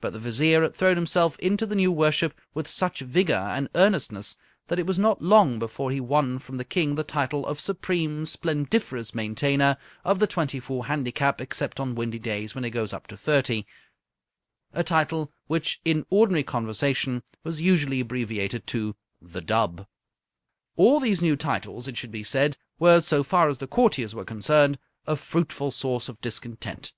But the Vizier had thrown himself into the new worship with such vigour and earnestness that it was not long before he won from the King the title of Supreme Splendiferous Maintainer of the Twenty Four Handicap Except on Windy Days when It Goes Up to Thirty a title which in ordinary conversation was usually abbreviated to The Dub. All these new titles, it should be said, were, so far as the courtiers were concerned, a fruitful source of discontent.